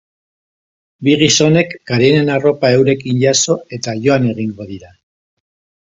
Bi gizonek Karinen arropa eurekin jaso eta joan egingo dira.